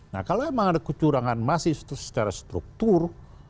nah kalau memang ada kecurangan masih secara struktur